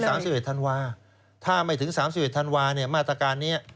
ต้องไปถึง๓๑ธันวาห์ถ้าไม่ถึง๓๑ธันวาห์เนี่ยมาตรการนี้